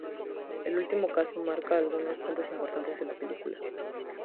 El último caso marca algunos puntos importantes de la película.